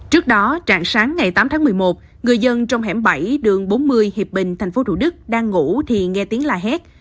trước đó trạng sáng ngày tám tháng một mươi một người dân trong hẻm bảy đường bốn mươi hiệp bình tp thủ đức đang ngủ thì nghe tiếng la hét